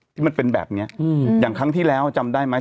ที่มันเป็นแบบเนี้ยอืมอย่างครั้งที่แล้วจำได้ไหม